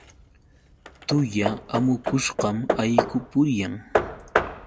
Tulla amukushqam allqu puriyan.